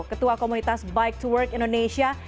ketua komunitas bike to work indonesia